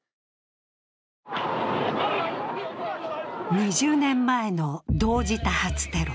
２０年前の同時多発テロ。